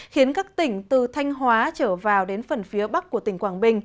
khiến các tỉnh từ thanh hóa trở vào đến phần phía bắc của tỉnh quảng bình